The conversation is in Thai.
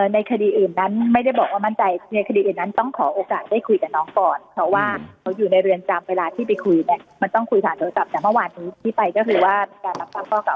ในคดีอื่นนั้นไม่ได้บอกว่ามั่นใจในคดีอื่นนั้นต้องขอโอกาสได้คุยกับน้องก่อนเพราะว่าเขาอยู่ในเรือนจำเวลาที่ไปคุยเนี่ยมันต้องคุยผ่านโทรศัพท์แต่เมื่อวานนี้ที่ไปก็คือว่ามีการรับทราบข้อเก่า